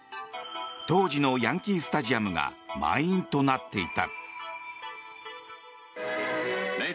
当時のヤンキー・スタジアムが満員となっていた。